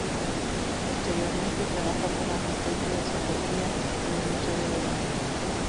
Posteriormente trabajó como asistente de zoología en el museo de Bergen.